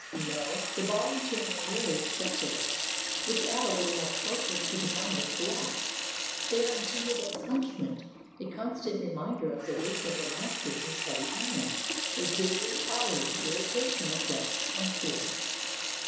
No, the ball and chain are merely acces sories which add a little more torture to the convict's lot. They are intended as punishment, a constant reminder of the weight of the master's heavy hand, a daily, hourly irritation of flesh and spirit.